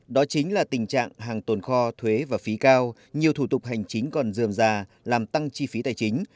đó chính là tình trạng hàng tồn kho thuế và phí cao nhiều thủ tục hành chính còn dườm già làm tăng chi phí tài chính